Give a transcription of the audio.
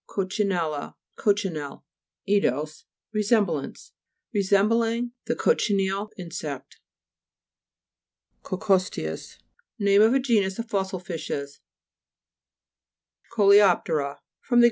coccinella, cochineal, eidos, resem blance. Resembling the cochineal insect. COCCO'STEUS Name of a genus of fossil fishes (p. 32). COLEO'PTERA fr. gr.